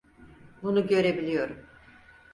Bunu görebiliyorum.